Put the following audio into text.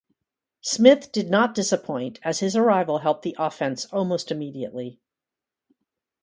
Smith did not disappoint as his arrival helped the offense almost immediately.